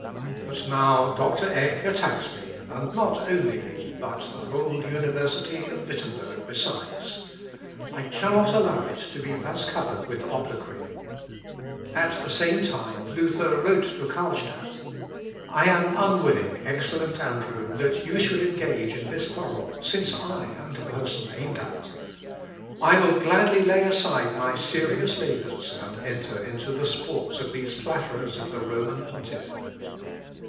But now Dr. Eck attacks me, and not only me, but the whole University of Wittemberg besides. I cannot allow it to be thus covered with obloquy." L. Ep. i, p. 237. At the same time Luther wrote to Carlstadt, "I am unwilling, excellent Andrew, that you should engage in this quarrel, since I am the person aimed at." "I will gladly lay aside my serious labours and enter into the sports of these flatterers of the Roman pontiff."